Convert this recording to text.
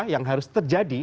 yang harus terjadi